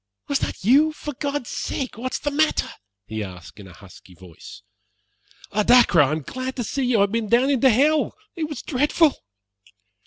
"Was that you? For God's sake what's the matter?" he asked in a husky voice. "Oh, Dacre, I am glad to see you! I have been down into hell. It was dreadful."